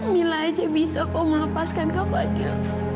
mila aja bisa kau melepaskan kak fadil